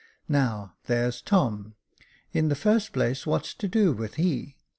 Now, there's Tom, in the first place, what's to do with he